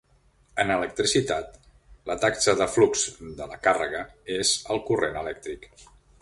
En electricitat, la taxa de flux de la càrrega és el corrent elèctric.